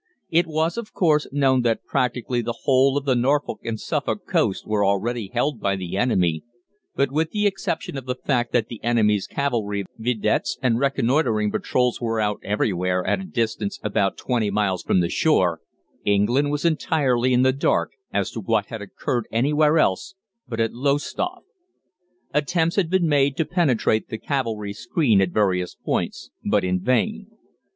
It was, of course, known that practically the whole of the Norfolk and Suffolk coast was already held by the enemy, but with the exception of the fact that the enemy's cavalry vedettes and reconnoitring patrols were out everywhere at a distance about twenty miles from the shore, England was entirely in the dark as to what had occurred anywhere else but at Lowestoft. Attempts had been made to penetrate the cavalry screen at various points, but in vain.